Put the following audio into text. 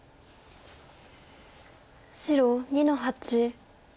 白２の八。